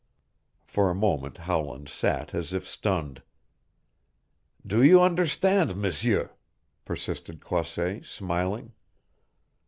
_" For a moment Howland sat as if stunned. "Do you understand, M'seur?" persisted Croisset, smiling.